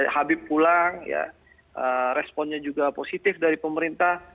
habib pulang responnya juga positif dari pemerintah